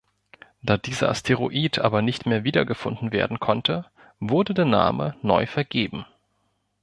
Da dieser Asteroid aber nicht mehr wiedergefunden werden konnte, wurde der Name neu vergeben.